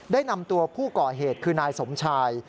ได้นำตัวผู้ก่อเหตุคือนายสมชาย